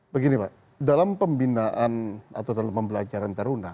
begini pak dalam pembinaan atau dalam pembelajaran taruna